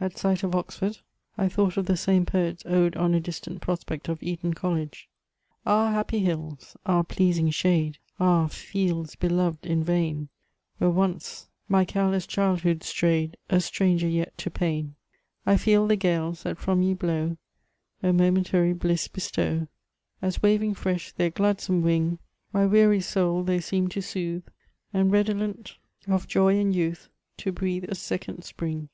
At sight of Oxford, I thought of the same poel*8 Ode on a Distant Prospect of Eton CoUege: — Ah* happy hills ! ah, pleasing shade I Ah, fields hdoyed in vain ! Where once my careless childhood stray'd, f A stranger yet to pain! I feel the gaSes that from ye Uow A momentary bliss bestow, As waving fresh their gla^me wing I My weary soul they seem to soothe^ \ And, redolent of joy and yoatii, , To breathe a second spring.